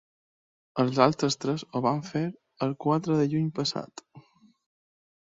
Els altres tres ho van fer el quatre de juny passat.